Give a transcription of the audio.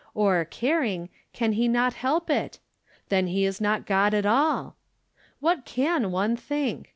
Or, caring, can not he help it? Then he is not God at all. What can one think